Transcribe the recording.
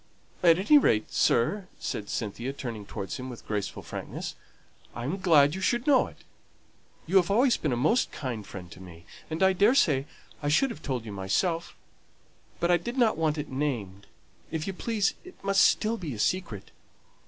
At any rate, sir," said Cynthia, turning towards him with graceful frankness, "I am glad you should know it. You have always been a most kind friend to me, and I daresay I should have told you myself, but I did not want it named; if you please, it must still be a secret.